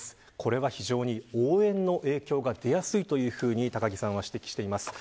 これは応援の影響が出やすいと高木さんは指摘しています。